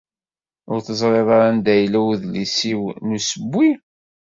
Ur teẓriḍ ara anda yella udlis-iw n usewwi?